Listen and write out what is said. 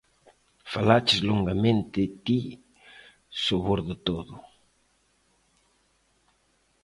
Falaches longamente ti sobor de todo.